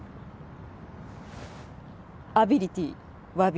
アビリティーわび。